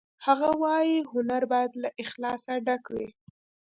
هغه وایی هنر باید له اخلاصه ډک وي